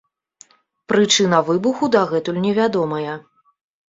Прычына выбуху дагэтуль невядомая.